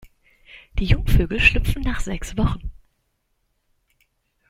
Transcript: Die Jungvögel schlüpfen nach sechs Wochen.